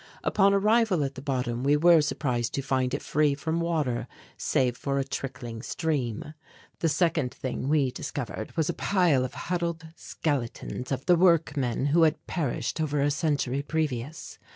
Upon arrival at the bottom we were surprised to find it free from water, save for a trickling stream. The second thing we discovered was a pile of huddled skeletons of the workmen who had perished over a century previous.